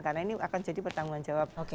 karena ini akan jadi pertanggung jawab